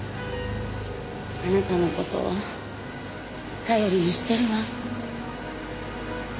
あなたの事頼りにしてるわ。